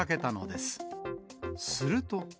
すると。